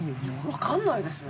わかんないですよね。